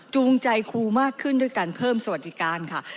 จูงใจครูมากขึ้นด้วยการเพิ่มสวัสดิการค่ะ